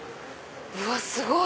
うわすごい！